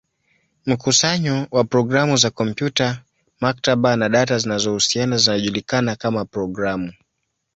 Mkusanyo wa programu za kompyuta, maktaba, na data zinazohusiana zinajulikana kama programu.